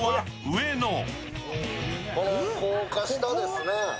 この高架下ですね。